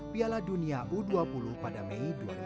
piala dunia u dua puluh pada mei dua ribu dua puluh